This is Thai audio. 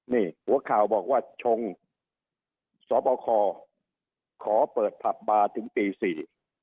นี่หัวข่าวบอกว่าชงสบคขอเปิดผับบาร์ถึงตีสี่